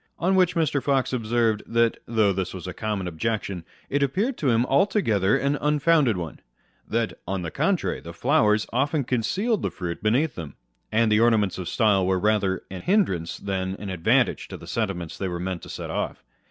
On which Mr. Fox observed, that though this was a common objection, it appeared to him altogether an un founded one ; that on the contrary, the flowers often con cealed the fruit beneath them, and the ornaments of style were rather an hindrance than an advantage to the senti ments they were meant to set off.